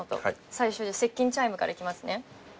最初接近チャイムからいきますね。